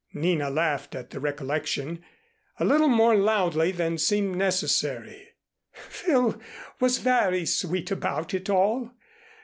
Nina laughed at the recollection, a little more loudly than seemed necessary. "Phil was very sweet about it all.